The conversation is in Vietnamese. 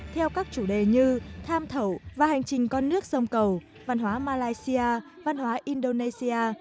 theo các chủ đề như tham thẩu và hành trình con nước sông cầu văn hóa malaysia văn hóa indonesia